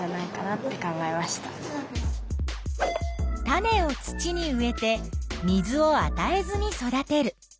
種を土に植えて水をあたえずに育てる。